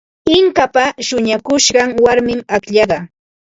Inkapa shuñakushqan warmim akllaqa.